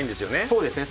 そうですね。